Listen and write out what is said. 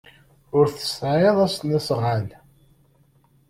Ur tesɛiḍ asnasɣal.